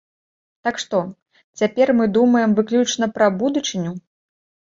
Так што, цяпер мы думаем выключна пра будучыню.